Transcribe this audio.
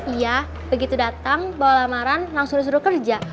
iya begitu datang bawa lamaran langsung disuruh suruh kerja